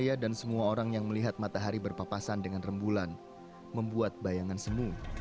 saya dan semua orang yang melihat matahari berpapasan dengan rembulan membuat bayangan semu